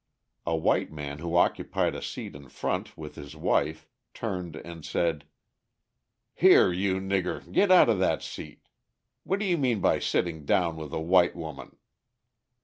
A white man who occupied a seat in front with his wife turned and said: "Here, you nigger, get out of that seat. What do you mean by sitting down with a white woman?"